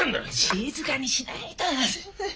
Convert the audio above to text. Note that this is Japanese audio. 静かにしないと。